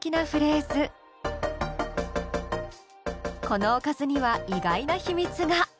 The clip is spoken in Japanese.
このおかずには意外な秘密が。